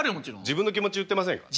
自分の気持ち言ってません？